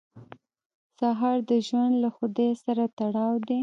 سهار د ژوند له خدای سره تړاو دی.